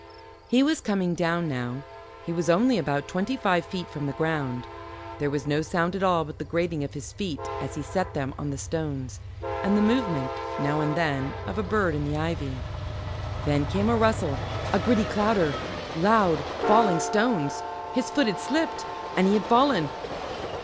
He was coming down now. He was only about twenty five feet from the ground. There was no sound at all but the grating of his feet as he set them on the stones, and the movement, now and then, of a bird in the ivy. Then came a rustle, a gritty clatter, loud falling stones: his foot had slipped, and he had fallen.